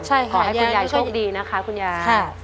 ขอให้คุณยายโชคดีนะคะคุณยาย